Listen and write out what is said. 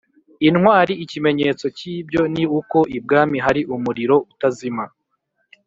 intwari ikimenyetso k’ibyo ni uko i bwami hari umuriro utazima